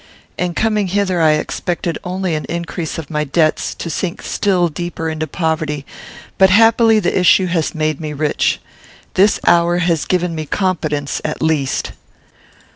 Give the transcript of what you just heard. "In coming hither, I expected only an increase of my debts; to sink still deeper into poverty; but happily the issue has made me rich. This hour has given me competence, at least."